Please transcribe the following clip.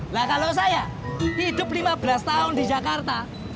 nah kalau saya hidup lima belas tahun di jakarta